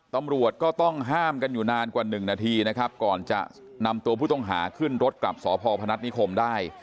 ตำรวจก็ต้องห้ามกันอยู่นานกว่าหนึ่งนาทีนะครับก่อนจะนำตัวผู้ต้องหาขึ้นรถกลับสพพนัฐนิคมได้